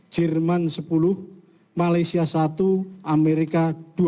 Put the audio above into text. jerman sepuluh malaysia satu amerika dua